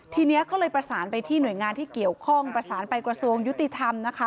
ทีนี้ก็เลยประสานไปที่หน่วยงานที่เกี่ยวข้องประสานไปกระทรวงยุติธรรมนะคะ